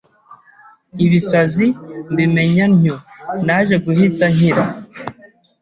ibisazi mbimenya ntyo, naje guhita nkira